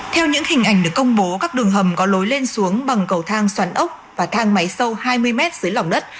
theo những hình ảnh được công bố các đường hầm có lối lên xuống bằng cầu thang xoắn ốc và thang máy sâu hai mươi mét dưới lòng đất